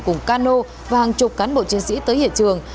cùng cano và hàng chục cán bộ chiến sĩ tới hiện trường